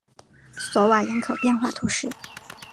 索瓦人口变化图示